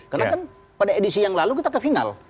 karena kan pada edisi yang lalu kita ke final